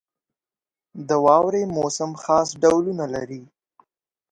• د واورې موسم خاص ډولونه لري.